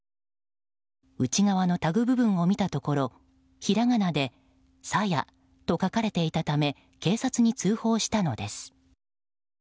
内側のタグ部分を見たところひらがなで「さや」と書かれていたため警察に通報したのです。